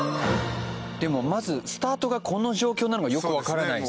でもまずスタートがこの状況なのがよくわからないですね。